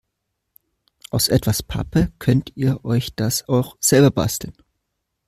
Aus etwas Pappe könnt ihr euch das auch selber basteln.